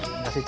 terima kasih c